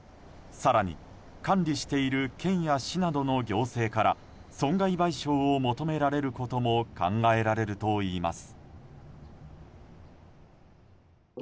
更に、管理している県や市などの行政から損害賠償を求められることも考えられるといいます。